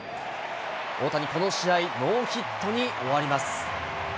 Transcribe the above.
大谷、この試合、ノーヒットに終わります。